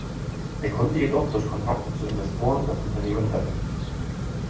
Er konnte jedoch durch Kontakte zu Investoren das Unternehmen retten.